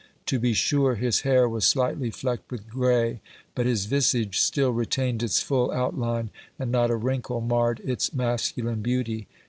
To be sure, his hair was slightly flecked with gray, but his visage still retained its full outline, and not a wrinkle marred its masculine beauty.